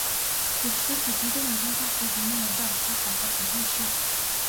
Тэгэхлээр тэдэнтэй нэгэн цагт бид ийм юмтай учрах болбол бэлэн биш үү?